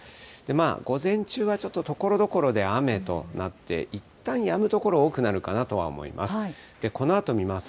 午前中はちょっとところどころであめとなって、いったんやむ所多くなるかなと思います。